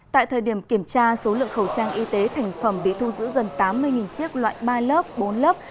tại thời điểm kiểm tra số lượng khẩu trang y tế thành phẩm bị thu giữ gần tám mươi chiếc loại ba lớp bốn lớp